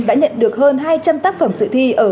đã nhận được hơn hai trăm linh tác phẩm sự thi